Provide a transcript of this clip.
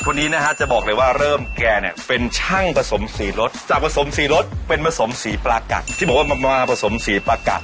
พูดขนาดนี้ทุกคนค่ะไปเจอเฮียอาคกันเลยค่ะ